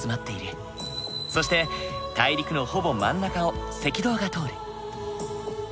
そして大陸のほぼ真ん中を赤道が通る。